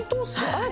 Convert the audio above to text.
あれ？